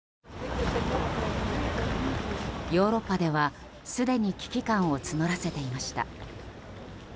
ヨーロッパではすでに危機感を募らせていました。